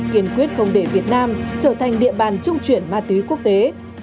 kiên quyết không để việt nam trở thành địa bàn trung chuyển ma túy quốc tế